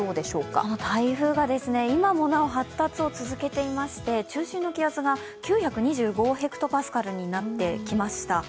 この台風が今もなお発達を続けていまして中心の気圧が９２５ｈＰａになってきました。